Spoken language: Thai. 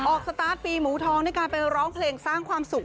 สตาร์ทปีหมูทองด้วยการไปร้องเพลงสร้างความสุข